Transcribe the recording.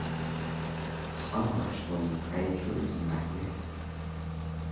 The sunrise from the crater is magnificent.